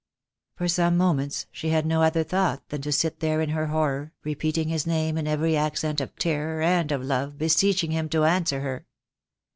For some moments she had no other thought than to sit there in her horror, repeating his name in every accent of terror and of love, beseeching him to answer her.